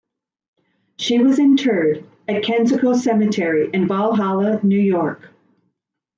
She was interred in Kensico Cemetery in Valhalla, New York.